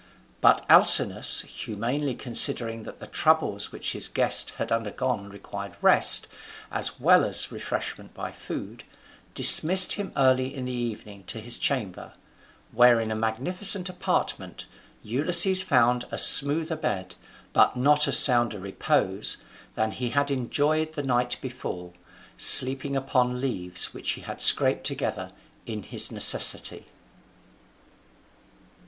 But Alcinous, humanely considering that the troubles which his guest had undergone required rest, as well as refreshment by food, dismissed him early in the evening to his chamber; where in a magnificent apartment Ulysses found a smoother bed, but not a sounder repose, than he had enjoyed the night before, sleeping upon leaves which he had scraped together in his necessity.